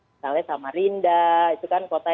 misalnya samarinda itu kan kota